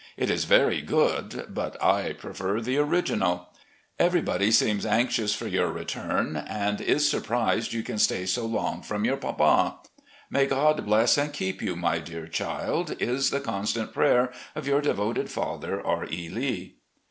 It is very good, but I prefer the original. ... Every body seems anxious for your return, and is surprised you can stay so long from your papa. May God bless and keep you, my dear child, is the constant prayer of " Y our devoted father, R. E. Lee.